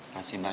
nasi enak lho